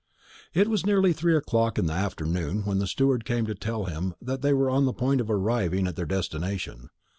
It was nearly three o'clock in the afternoon when the steward came to tell him that they were on the point of arriving at their destination.